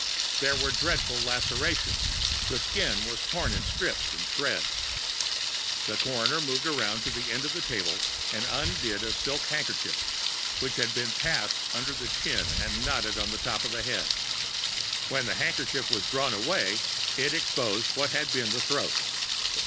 There were dreadful lacerations; the skin was torn in strips and shreds. The coroner moved round to the end of the table and undid a silk handkerchief, which had been passed under the chin and knotted on the top of the head. When the handkerchief was drawn away it exposed what had been the throat.